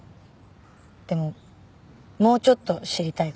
でももうちょっと知りたいかも。